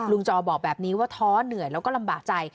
จอบอกแบบนี้ว่าท้อเหนื่อยแล้วก็ลำบากใจ